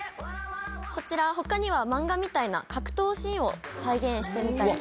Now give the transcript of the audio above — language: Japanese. こちらは他にはマンガみたいな格闘シーンを再現してみたりできます。